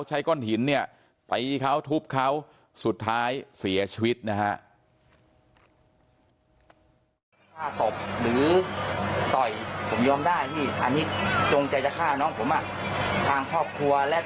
ใช้ก้อนหินเนี่ยตีเขาทุบเขาสุดท้ายเสียชีวิตนะฮะ